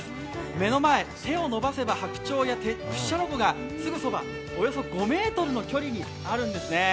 目の前、背を伸ばせば白鳥や屈斜路湖がすぐそば、およそ５ｍの距離にあるんですね。